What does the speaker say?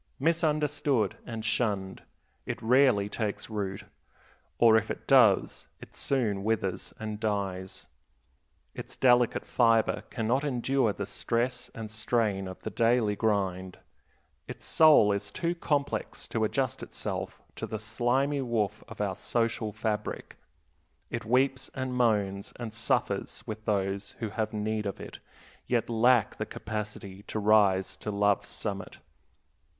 Misunderstood and shunned, it rarely takes root; or if it does, it soon withers and dies. Its delicate fiber can not endure the stress and strain of the daily grind. Its soul is too complex to adjust itself to the slimy woof of our social fabric. It weeps and moans and suffers with those who have need of it, yet lack the capacity to rise to love's summit.